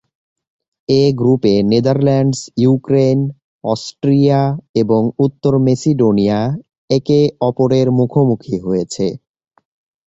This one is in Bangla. এই গ্রুপে নেদারল্যান্ডস, ইউক্রেন, অস্ট্রিয়া এবং উত্তর মেসিডোনিয়া একে অপরের মুখোমুখি হয়েছে।